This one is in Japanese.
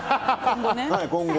今後。